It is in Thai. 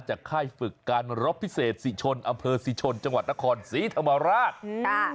ค่ายฝึกการรบพิเศษศรีชนอำเภอศรีชนจังหวัดนครศรีธรรมราช